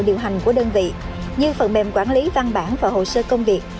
điều hành của đơn vị như phần mềm quản lý văn bản và hồ sơ công việc